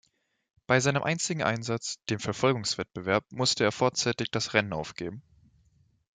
Bei seinem einzigen Einsatz, dem Verfolgungswettbewerb, musste er vorzeitig das Rennen aufgeben.